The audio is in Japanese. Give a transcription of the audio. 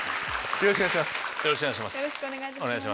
よろしくお願いします。